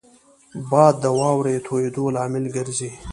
باد د واورې تویېدو لامل ګرځي